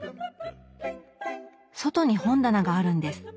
外に本棚があるんです。